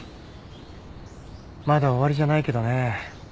まだ終わりじゃないけどね。